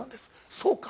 そうか。